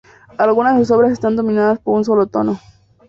Algunas de sus obras están dominadas por un solo tono.